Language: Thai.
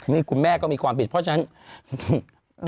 นี่คุณแม่ก็มีความผิดเพราะฉะนั้น